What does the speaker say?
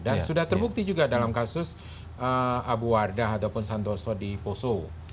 dan sudah terbukti juga dalam kasus abu wardah ataupun santoso di poso